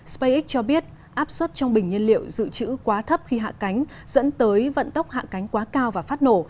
spacex cho biết áp suất trong bình nhiên liệu dự trữ quá thấp khi hạ cánh dẫn tới vận tốc hạ cánh quá cao và phát nổ